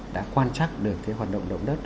đã quan trắc được hoạt động động đất